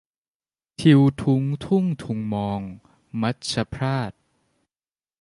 ทิวทุ้งทุ่งทุงมอง มัจฉพราศ